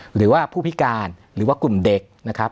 หรือว่าผู้พิการหรือว่ากลุ่มเด็กนะครับ